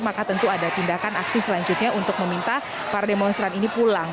maka tentu ada tindakan aksi selanjutnya untuk meminta para demonstran ini pulang